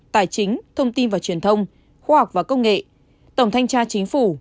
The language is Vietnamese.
tài chính thông tin và truyền thông khoa học và công nghệ tổng thanh tra chính phủ